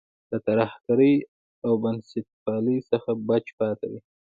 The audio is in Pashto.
له ترهګرۍ او بنسټپالۍ څخه بچ پاتې دی.